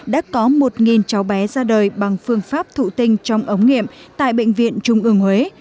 đã có một cháu bé ra đời bằng phương pháp thụ tinh trong ống nghiệm tại bệnh viện trung ương huế